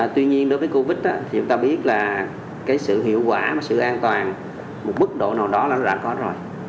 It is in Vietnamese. tuy nhiên đối với covid thì chúng ta biết là sự hiệu quả mà sự an toàn một mức độ nào đó là nó đã có rồi